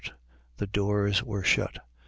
The doors were shut. ..